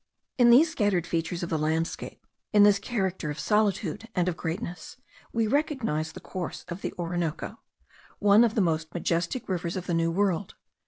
In these scattered features of the landscape, in this character of solitude and of greatness, we recognize the course of the Orinoco, one of the most majestic rivers of the New World.